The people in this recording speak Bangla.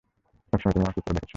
সবসময়ই তুমি আমাকে উপরে দেখেছ।